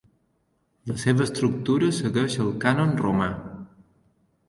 La seva estructura segueix el cànon romà.